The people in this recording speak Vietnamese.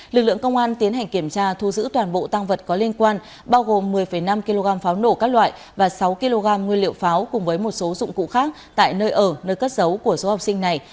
lực lượng công an tiến hành kiểm tra thu giữ toàn bộ tăng vật có liên quan bao gồm một mươi năm kg pháo nổ các loại và sáu kg nguyên liệu pháo cùng với một số dụng cụ khác tại nơi ở nơi cất giấu của số học sinh này